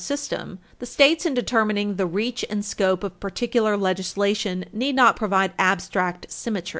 540 system, the States, in determining the reach and scope of particular legislation, need not provide "abstract symmetry."